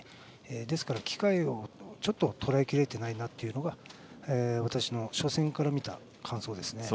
ですから、機会をとらえきれてないなというのが私の初戦から見た感想ですね。